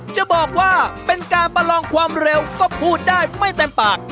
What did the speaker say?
จะบอกว่าเป็นการประลองความเร็วก็พูดได้ไม่เต็มปาก